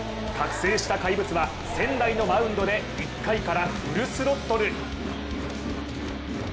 覚醒した怪物は仙台のマウンドで１回からフルスロットル。